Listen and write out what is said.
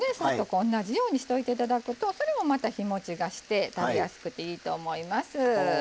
同じようにしておいて頂くとそれもまた日もちがして食べやすくていいと思います。